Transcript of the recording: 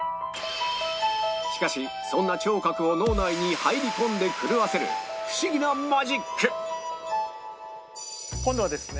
しかしそんな聴覚を脳内に入り込んで狂わせるフシギなマジック今度はですね